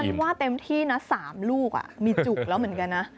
ว่าเต็มที่นะ๓ลูกมีจุกแล้วเหมือนกันนะ